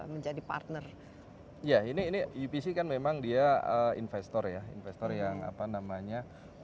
menjadi partner ya ini ini upc kan memang dia investor ya investor yang apa namanya